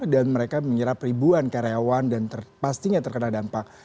dan mereka menyerap ribuan karyawan dan pastinya terkena dampak